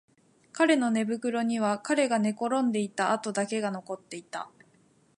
彼の寝袋には彼が寝転んでいた跡だけが残っていた